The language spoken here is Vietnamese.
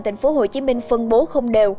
thành phố hồ chí minh phân bố không đều